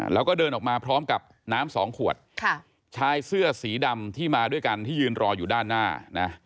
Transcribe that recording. แล้วก็เดินออกมาพร้อมกับน้ำสองขวดค่ะชายเสื้อสีดำที่มาด้วยกันที่ยืนรออยู่ด้านหน้านะ